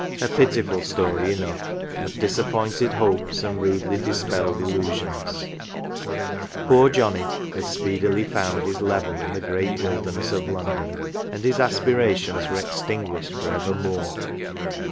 A pitiful story enough of disappointed hopes and rudely dispelled illusions poor Johnnie had speedily found his level in the great wilderness of London ; and his aspirations were extinguished for evermore.